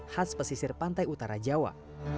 khas pesisir pantai utara jawa